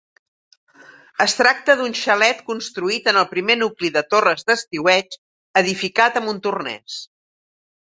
Es tracta d'un xalet construït en el primer nucli de torres d'estiueig edificat a Montornès.